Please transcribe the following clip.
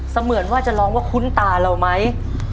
เหมือนว่าจะร้องว่าคุ้นตาเราไหม